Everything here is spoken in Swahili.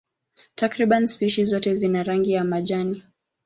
Takriban spishi zote zina rangi ya majani.